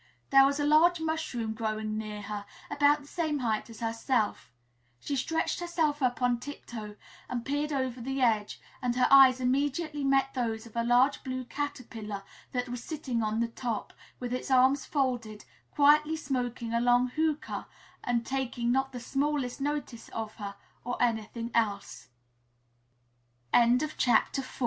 There was a large mushroom growing near her, about the same height as herself. She stretched herself up on tiptoe and peeped over the edge and her eyes immediately met those of a large blue caterpillar, that was sitting on the top, with its arms folded, quietly smoking a long hookah and taki